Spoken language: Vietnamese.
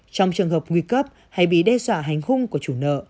trong trường hợp nguy cấp hay bị đe dọa hành hung của chủ nợ